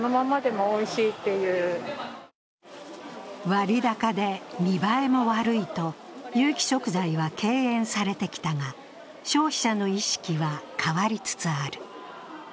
割高で見栄えも悪いと、有機食材は敬遠されてきたが、消費者の意識は変わりつつある。